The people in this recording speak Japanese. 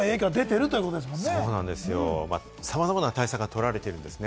さまざまな対策がとられているんですね。